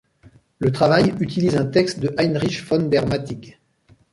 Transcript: Le travail utilise un texte de Heinrich von der Mattig.